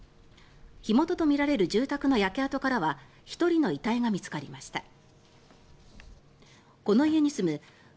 火元とみられる住宅の焼け跡からは１人の遺体が見つかりました。